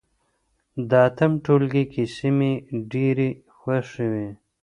د اتم ټولګي کیسې مي ډېرې خوښې وې.